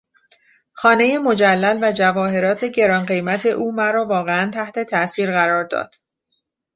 خانهی مجلل و جواهرات گران قیمت او مرا واقعا تحت تاثیر قرار داد.